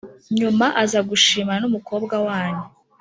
nyuma aza gushimana n’ umukobwa wanyu,